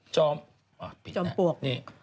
จ้อมอ้อผิดแล้วนี่